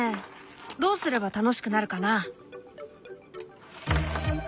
どうすれば楽しくなるかな？